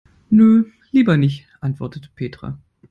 Nö, lieber nicht, antwortet Petra.